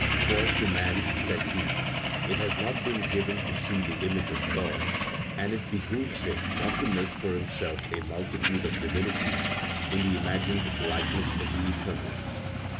"For to man," said he, "it has not been given to see the image of God, and it behooves him not to make for himself a multitude of divinities in the imagined likeness of the Eternal.